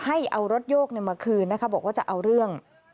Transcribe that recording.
ให้เอารถโยกมาคืนนะคะบอกว่าจะเอาเรื่อง